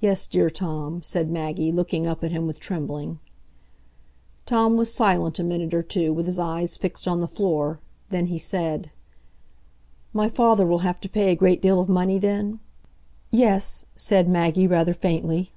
"Yes, dear Tom," said Maggie, looking up at him with trembling. Tom was silent a minute or two, with his eyes fixed on the floor. Then he said: "My father will have to pay a good deal of money, then?" "Yes," said Maggie, rather faintly.